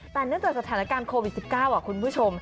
แต่เนื่องจากสถานการณ์โควิด๑๙